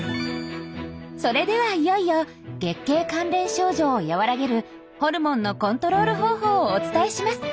それではいよいよ月経関連症状を和らげるホルモンのコントロール方法をお伝えします！